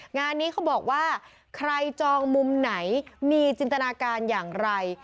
งานนี้เขาบอกว่าใครจองมุมไหนมีจินตนาการอย่างไร